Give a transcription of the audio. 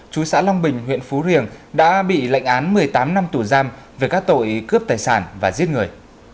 chú xã long bình huyện phú riềng đã bị lệnh án một mươi tám năm tù giam về các tội cướp tài sản và giết người